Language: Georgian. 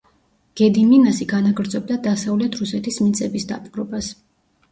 გედიმინასი განაგრძობდა დასავლეთ რუსეთის მიწების დაპყრობას.